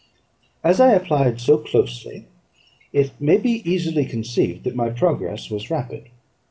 As I applied so closely, it may be easily conceived that my progress was rapid.